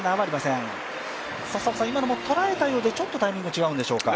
今のも捉えたようで、ちょっとタイミングが違うんでしょうか。